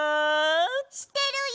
してるよ！